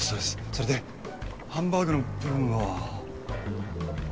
それでハンバーグの部分は。